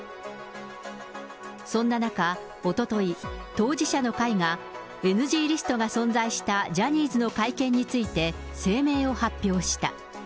そんな中、おととい、当事者の会が、ＮＧリストが存在したジャニーズの会見について声明を発表した。